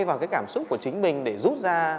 vào cái cảm xúc của chính mình để rút ra